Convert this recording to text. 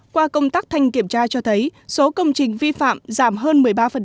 qua công tác thanh kiểm tra cho thấy số công trình vi phạm giảm hơn một mươi ba